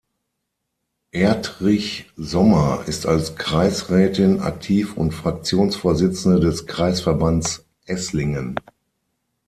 Erdrich-Sommer ist als Kreisrätin aktiv und Fraktionsvorsitzende des Kreisverbands Esslingen.